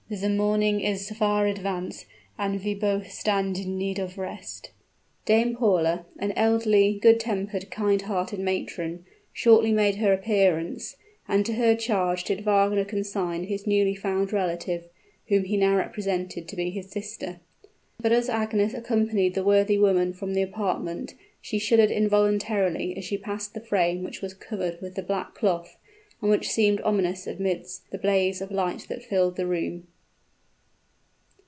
The morning is far advanced, and we both stand in need of rest." Dame Paula, an elderly, good tempered, kind hearted matron, shortly made her appearance; and to her charge did Wagner consign his newly found relative, whom he now represented to be his sister. But as Agnes accompanied the worthy woman from the apartment, she shuddered involuntarily as she passed the frame which was covered with the black cloth, and which seemed ominous amidst the blaze of light that filled the room.